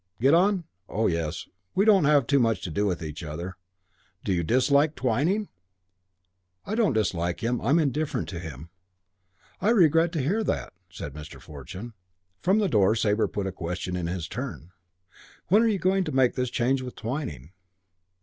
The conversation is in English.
"Get on? Oh yes. We don't have much to do with each other." "Do you dislike Twyning?" "I don't dislike him. I'm indifferent to him." "I regret to hear that," said Mr. Fortune. From the door Sabre put a question in his turn: "When are you going to make this change with Twyning?"